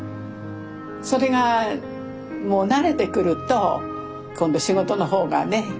それがもう慣れてくると今度仕事の方がね